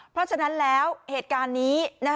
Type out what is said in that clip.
เพราะฉะนั้นแล้วเหตุการณ์นี้